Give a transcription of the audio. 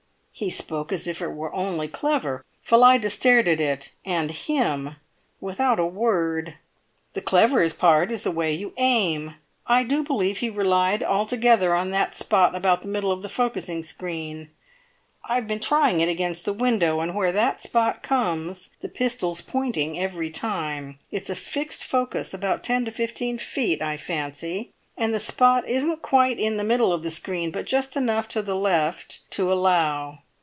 He spoke as if it were only clever! Phillida stared at it and him without a word. "The cleverest part is the way you aim. I do believe he relied altogether on that spot about the middle of the focussing screen. I've been trying it against the window, and where that spot comes the pistol's pointing every time. It's a fixed focus, about ten to fifteen feet, I fancy, and the spot isn't quite in the middle of the screen, but just enough to the left to allow.